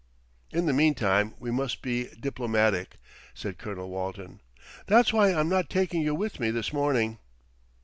"In the meantime we must be diplomatic," said Colonel Walton. "That's why I'm not taking you with me this morning."